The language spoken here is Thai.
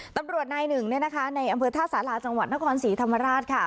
ตำรวจนายหนึ่งเนี่ยนะคะในอำเภอท่าสาราจังหวัดนครศรีธรรมราชค่ะ